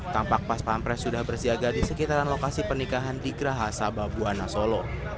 tampak pas pampres sudah bersiaga di sekitaran lokasi pernikahan di geraha sababuana solo